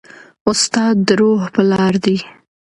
استاد د روح پلار دی.